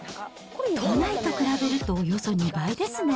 都内と比べるとおよそ２倍ですね。